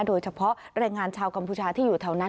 โดยเฉพาะแรงงานชาวกัมพูชาที่อยู่แถวนั้น